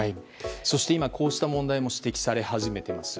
そして今、こうした問題も指摘され始めています。